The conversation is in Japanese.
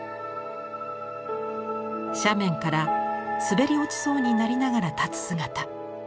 斜面から滑り落ちそうになりながら立つ姿。